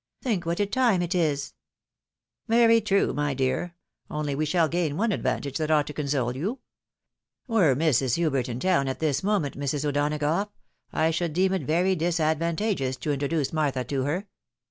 " Think what a time it is !" "^Very true, my dear! only we shall gain one advantage that ought to console you. Were Mrs. Hubert in town at this moment, Mrs. O'Donagough, I should deem it very disadvan tageous to introduce Martha to her.